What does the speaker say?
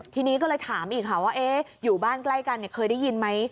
ทีนี้ก็เลยถามอีกค่ะว่าอยู่บ้านใกล้กันเคยได้ยินไหม